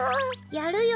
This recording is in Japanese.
やるよ